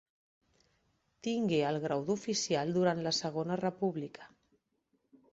Tingué el grau d'oficial durant la Segona República.